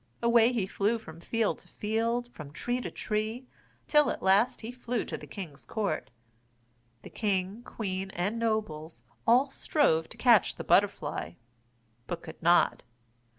Away he flew from field to field, from tree to tree, till at last he flew to the king's court. The king, queen, and nobles, all strove to catch the butterfly, but could not.